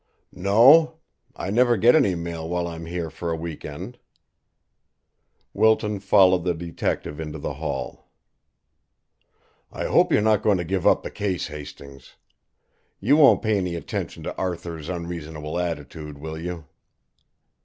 "No. I never get any mail while I'm here for a week end." Wilton followed the detective into the hall. "I hope you're not going to give up the case, Hastings. You won't pay any attention to Arthur's unreasonable attitude, will you?"